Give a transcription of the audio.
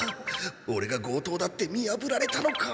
オレが強盗だって見やぶられたのか！？